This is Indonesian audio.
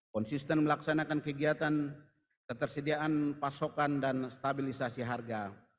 konsisten melaksanakan kegiatan ketersediaan pasokan dan stabilisasi harga